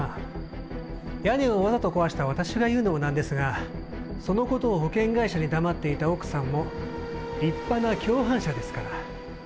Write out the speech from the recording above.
それと奥さん、屋根をわざと壊した私が言うのもなんですが、そのことを保険会社に黙っていた奥さんも、立派な共犯者ですから。